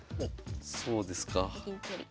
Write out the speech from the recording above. そうですか。